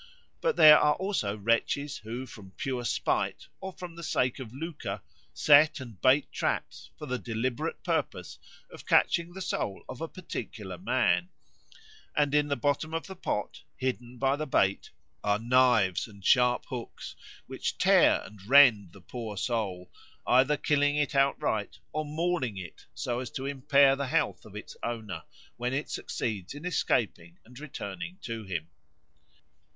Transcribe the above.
But there are also wretches who from pure spite or for the sake of lucre set and bait traps with the deliberate purpose of catching the soul of a particular man; and in the bottom of the pot, hidden by the bait, are knives and sharp hooks which tear and rend the poor soul, either killing it outright or mauling it so as to impair the health of its owner when it succeeds in escaping and returning to him.